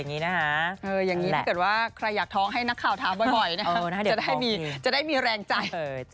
ป้ายป้ายถ้าใครอยากท้องให้นะข่าวถามบ่อยจะได้มีแรงใจ